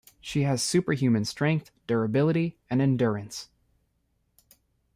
She has superhuman strength, durability, and endurance.